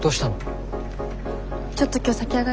ちょっと今日先上がるね。